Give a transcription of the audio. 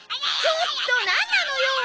ちょっとなんなのよ！？